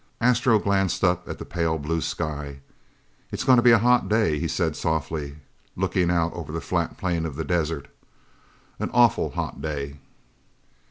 Astro glanced up at the pale blue sky. "It's going to be a hot day," he said softly, looking out over the flat plain of the desert, "an awful hot day!"